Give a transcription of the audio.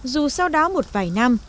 dù sau đó một vài năm